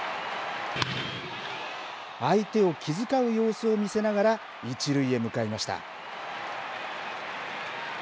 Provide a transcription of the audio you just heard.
相手を気遣う様子を見せながら一塁へ向かいました。